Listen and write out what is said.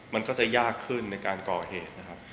มันก็จะยากขึ้นในการก่อเหตุนะครับ